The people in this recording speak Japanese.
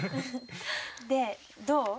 でどう？